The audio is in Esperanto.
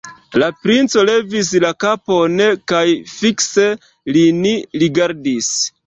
La princo levis la kapon kaj fikse lin rigardis.